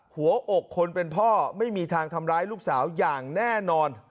หัวอกคนเป็นพ่อไม่มีทางทำร้ายลูกสาวอย่างแน่นอน